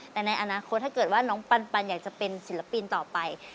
แต่ในอนาคตถ้าเกิดว่าน้องปันอยากจะเป็นศิลปินต่อไป